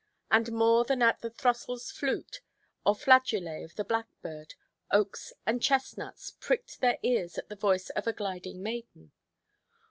And more than at the throstleʼs flute, or flageolet of the blackbird, oaks and chestnuts pricked their ears at the voice of a gliding maiden.